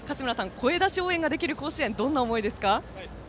声出し応援ができる甲子園、どんな思いですか？